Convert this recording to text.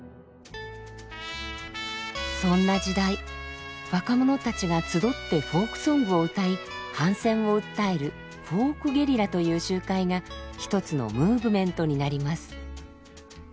そんな時代若者たちが集ってフォークソングを歌い反戦を訴えるフォークゲリラという集会が一つのムーブメントになります。